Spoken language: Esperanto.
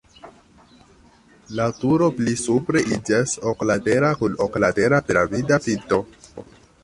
La turo pli supre iĝas oklatera kun oklatera piramida pinto.